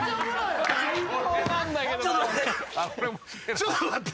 ちょっと待って。